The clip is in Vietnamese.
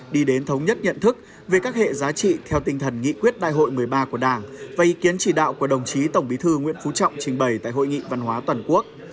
đi đến thống nhất nhận thức về các hệ giá trị theo tinh thần nghị quyết đại hội một mươi ba của đảng và ý kiến chỉ đạo của đồng chí tổng bí thư nguyễn phú trọng trình bày tại hội nghị văn hóa toàn quốc